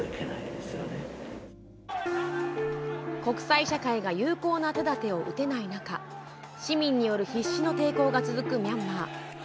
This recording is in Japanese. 国際社会が有効な手だてを打てない中市民による必死の抵抗が続くミャンマー。